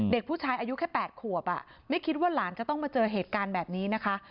เด็กผู้ชายอายุแค่๘ขวบไม่คิดว่าหลานจะต้องมาเจอเหตุการณ์แบบนี้นะคะ